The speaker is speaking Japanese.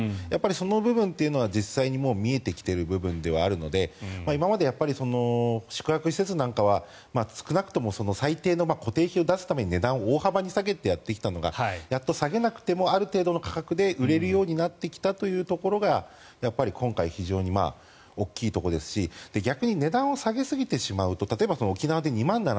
その部分は実際に見えてきている部分ではあるので今まで宿泊施設なんかは少なくとも最低の固定費を出すために値段を大幅に下げてやってきたのがやっと下げなくてもある程度の価格で売れるようになってきたというところが今回、非常に大きいところですし逆に値段を下げすぎてしまうと例えば沖縄で２万７０００円が。